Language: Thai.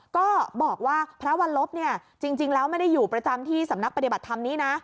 ก็บอกว่าพระวันลบจริงแล้วไม่ได้อยู่ประจำที่สำนักปฏิบัติธรรมนี้นะ